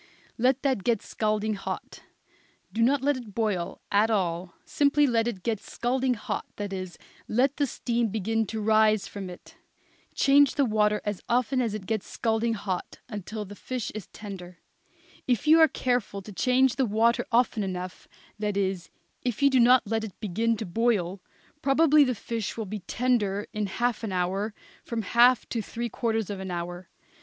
Let that get scalding hot; do not let it boil at all; simply let it get scalding hot that is, let the steam begin to rise from it. Change the water as often as it gets scalding hot, until the fish is tender. If you are careful to change the water often enough, that is, if you do not let it begin to boil, probably the fish will be tender in half an hour from half to three quarters of an hour.